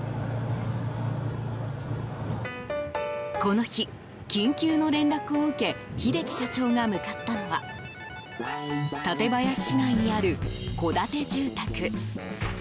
この日、緊急の連絡を受け秀樹社長が向かったのは館林市内にある、戸建て住宅。